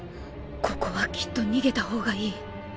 ここはきっと逃げた方がいい。